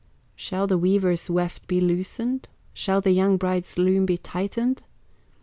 "Shall the weaver's weft be loosened, Shall the young bride's loom be tightened?